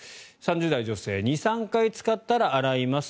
３０代女性２３回使ったら洗います